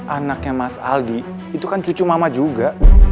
anaknya mas aldi itu kan cucu mama juga